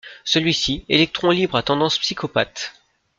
Celui-ci, électron libre à tendance psychopathe.